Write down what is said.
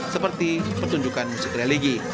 seperti pertunjukan musik religi